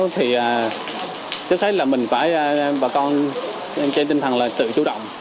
thì tôi thấy là mình phải bà con trên tinh thần là tự chủ động